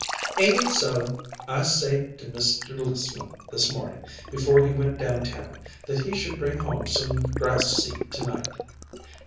"Ain't it so? I say to Mr. Lissman this morning, before he went down town, that he should bring home some grass seed to night."